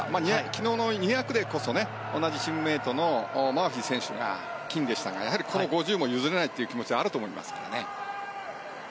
昨日の２００でこそ同じチームメートのマーフィー選手が金でしたがこの５０も譲れないという気持ちがあると思います。